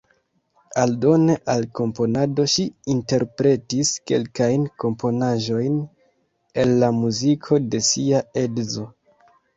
Aldone al komponado ŝi interpretis kelkajn komponaĵojn el la muziko de sia edzo.